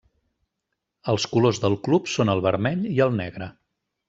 Els colors del club són el vermell i el negre.